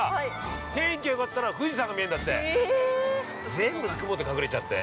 ◆全部、雲で隠れちゃって。